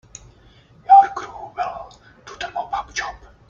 Your crew will do the mop up job.